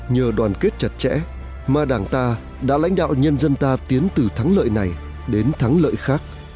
nhờ đoàn kết chặt chẽ mà đảng ta đã lãnh đạo nhân dân ta tiến từ thắng lợi này đến thắng lợi khác